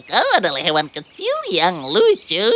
kau adalah hewan kecil yang lucu